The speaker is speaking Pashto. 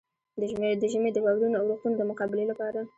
د ژمي د واورينو اورښتونو د مقابلې لپاره.